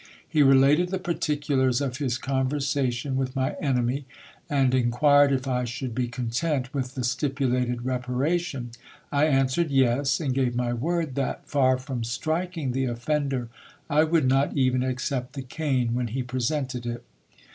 He related the particulars of his conversation with my enemy, and inquired if I should be content with the stipulated reparation. I answered, yes : and gave my word that, far from striking the offender, I would not even accept the cane, when he presented it.